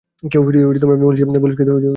কেউ পুলিশকে নালিশ করছে না।